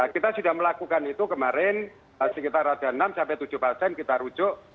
kita sudah melakukan itu kemarin sekitar ada enam sampai tujuh pasien kita rujuk